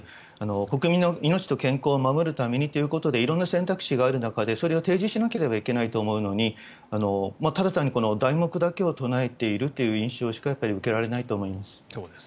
国民の命と健康を守るためにということで色々な選択肢がある中でそれを提示しなければいけないと思うのにただ単に題目だけを唱えているという印象しか受けられないと思います。